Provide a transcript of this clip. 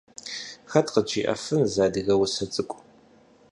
Хэт къыджиӏэфын зы адыгэ усэ цӏыкӏу?